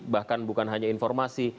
bahkan bukan hanya informasi